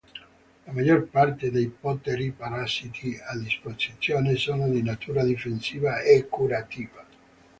La maggior parte dei poteri parassiti a disposizione sono di natura difensiva e curativa.